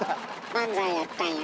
漫才やったんや。